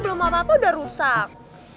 belum apa apa udah rusak